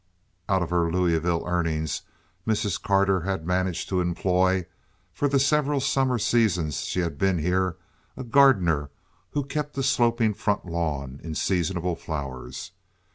Out of her Louisville earnings Mrs. Carter had managed to employ, for the several summer seasons she had been here, a gardener, who kept the sloping front lawn in seasonable flowers.